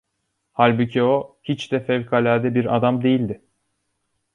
Halbuki o hiç de fevkalade bir adam değildi.